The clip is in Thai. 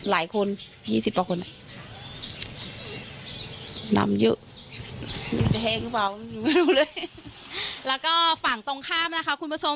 แล้วก็ฝั่งตรงข้ามคนผู้ชม